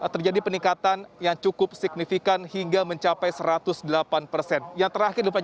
terjadi peningkatan yang cukup signifikan hingga mencapai satu ratus delapan persen